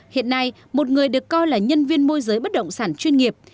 hiện nay một người được coi là nhân viên môi giới bất động sản chuyên nghiệp